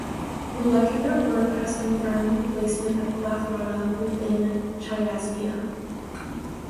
Molecular work has confirmed the placement of "clathrata" within "Chiasmia".